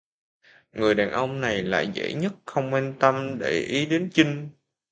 Người đàn ông này lại dễ nhất không quan tâm để ý đến chinh